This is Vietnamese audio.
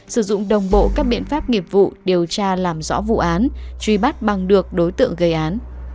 sử dụng đồng bộ các biện pháp nghiệp vụ điều tra làm rõ vụ án truy bắt bằng được đối tượng gây án